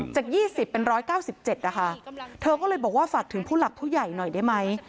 จากยี่สิบเป็นร้อยเก้าสิบเจ็ดนะคะเธอก็เลยบอกว่าฝากถึงผู้หลักผู้ใหญ่หน่อยได้ไหม